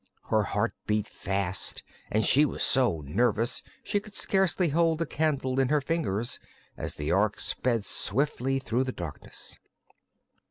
Her heart beat fast and she was so nervous she could scarcely hold the candle in her fingers as the Ork sped swiftly through the darkness.